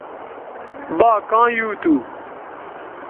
با کاں یُو تھو